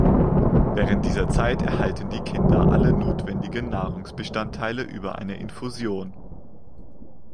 Während dieser Zeit erhalten die Kinder alle notwendigen Nahrungsbestandteile über eine Infusion.